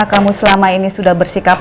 aku memang dapat